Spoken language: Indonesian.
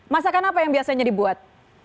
masakan apa yang biasanya dibuat